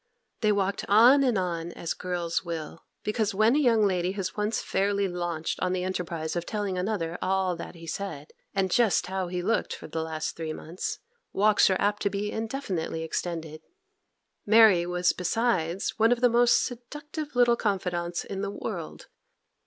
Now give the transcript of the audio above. They walked on and on as girls will; because when a young lady has once fairly launched on the enterprise of telling another all that he said, and just how he looked for the last three months, walks are apt to be indefinitely extended. Mary was besides one of the most seductive little confidantes in the world.